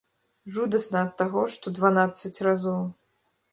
Жудасна ад таго, што дванаццаць разоў.